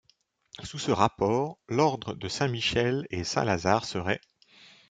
Sous ce rapport, l’ordre de Saint-Michel et Saint-Lazare serait